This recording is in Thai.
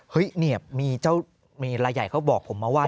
เนี่ยมีเจ้าเมลายใหญ่เขาบอกผมมาว่า